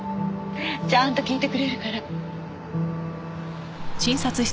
ちゃんと聞いてくれるから。